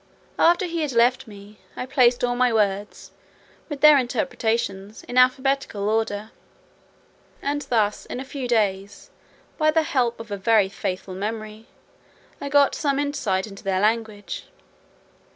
After he had left me, I placed all my words, with their interpretations, in alphabetical order. And thus, in a few days, by the help of a very faithful memory, I got some insight into their language.